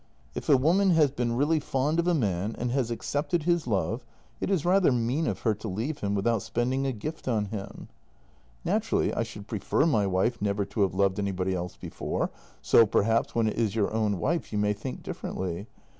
If a woman has been really fond of a man and has accepted his love, it is rather mean of her to leave him without spending a gift on him. "Naturally I should prefer my wife never to have loved anybody else before, so, perhaps, when it is your own wife you may think differently.